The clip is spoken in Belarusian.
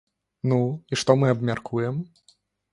Ну, і што мы абмяркуем?